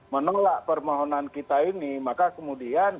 menolak permohonan kita ini maka kemudian